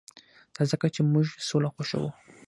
دا ځکه چې موږ سوله خوښوو